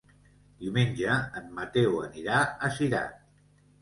Diumenge en Mateu anirà a Cirat.